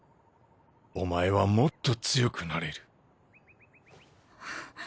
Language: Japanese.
お前はもっと強くなれる。